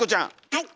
はい。